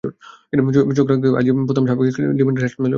চোখ রাখতে হবে আজই প্রথম সাবেক ক্লাবে ফেরা ডিফেন্ডার ম্যাটস হামেলসের ওপরও।